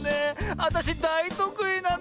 あたしだいとくいなの。